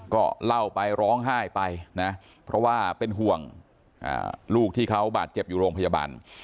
ก็เล่าไปร้องไห้ไปนะเพราะว่าเป็นห่วงลูกที่เขาบาดเจ็บอยู่โรงพยาบาล